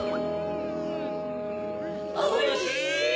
おいしい！